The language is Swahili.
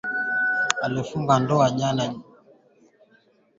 Madoa meupe huonekana kwenye ini na figo za mnyama